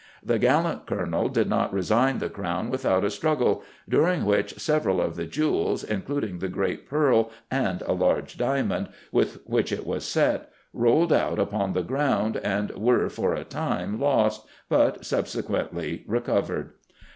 The gallant Colonel did not resign the crown without a struggle, during which several of the jewels, including the Great Pearl and a large diamond, with which it was set, rolled out upon the ground and were for a time lost, but subsequently recovered.